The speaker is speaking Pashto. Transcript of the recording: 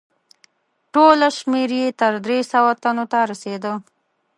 ټوله شمیر یې تر درې سوه تنو ته رسیده.